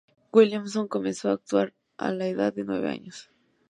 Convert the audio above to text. Williamson comenzó a actuar a la edad de nueve años.